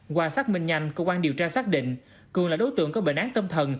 qua xác minh nhanh công an điều tra xác định cường là đối tượng có bệnh án tâm thần